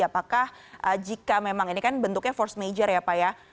apakah jika memang ini kan bentuknya force major ya pak ya